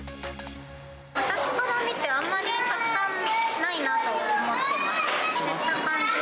私から見て、あまりたくさんないなと思ってます。